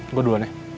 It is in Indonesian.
gue duluan ya